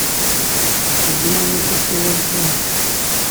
Wwin-iyi tasiwant-inu.